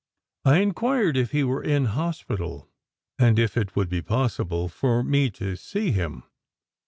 I inquired if he were in hospital, and if it would be possible for me to see him.